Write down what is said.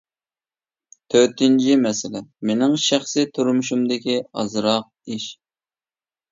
تۆتىنچى مەسىلە: مېنىڭ شەخسىي تۇرمۇشۇمدىكى ئازراق ئىش.